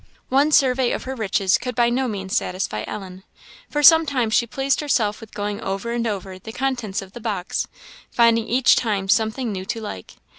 One survey of her riches could by no means satisfy Ellen. For some time she pleased herself with going over and over the contents of the box, finding each time something new to like.